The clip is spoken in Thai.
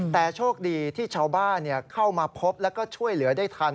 แต่โชคดีที่ชาวบ้านเข้ามาพบแล้วก็ช่วยเหลือได้ทัน